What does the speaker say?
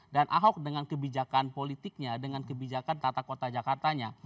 dan ahok dengan kebijakan politiknya dengan kebijakan tata kota jakartanya